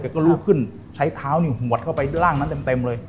ก็ลุกขึ้นใช้เท้านี่หวดเข้าไปร่างนั้นเต็มเลย